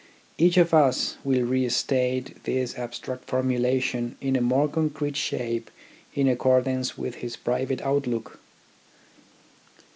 Each of us will re state this ab stract formulation in a more concrete shape in accordance with his private outlook.